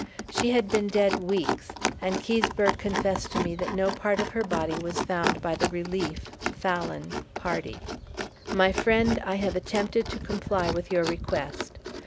She had been dead weeks, and Keseberg confessed to me that no part of her body was found by the relief (Fallon) party. My friend, I have attempted to comply with your request.